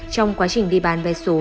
trong quá trình đi bàn vé số